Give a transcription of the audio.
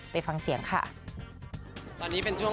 ไปฟังเสียงค่ะ